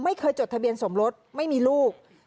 ไม่เคยจดทะเบียนสมรสไม่มีลูก